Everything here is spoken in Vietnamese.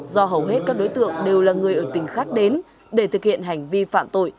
do hầu hết các đối tượng đều là người ở tỉnh khác đến để thực hiện hành vi phạm tội